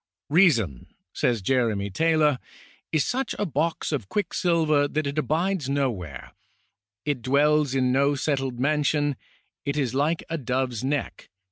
" Reason," says Jeremy Taylor/ " is such a box of quick silver that it abides no where ; it dwells in no settled man sion ; it is hke a dove's neck